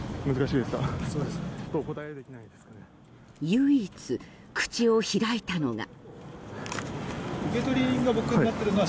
唯一、口を開いたのが。